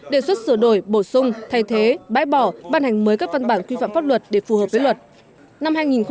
đề xuất sửa đổi bổ sung thay thế bãi bỏ ban hành mới các văn bản quy phạm pháp luật để phù hợp với luật